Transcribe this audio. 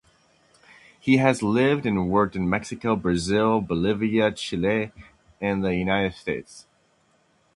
He has lived and worked in Mexico, Brazil, Bolivia, Chile and the United States.